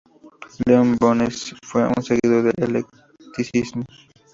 Leon Benois fue un seguidor del eclecticismo.